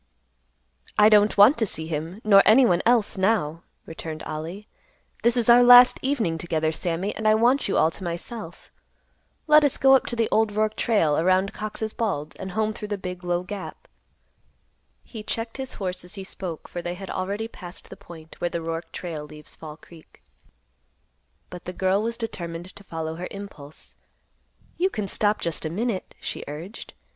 "I don't want to see him, nor any one else, now," returned Ollie. "This is our last evening together, Sammy, and I want you all to myself. Let us go up the old Roark trail, around Cox's Bald, and home through the big, low gap." He checked his horse as he spoke, for they had already passed the point where the Roark trail leaves Fall Creek. But the girl was determined to follow her impulse. "You can stop just a minute," she urged.